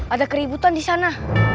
ada keributan disana